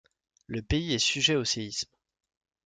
Le pays est sujet aux séismes.